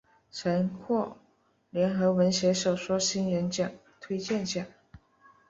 曾获联合文学小说新人奖推荐奖。